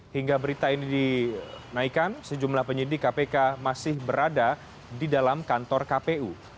hingga berita ini dinaikkan sejumlah penyidik kpk masih berada di dalam kantor kpu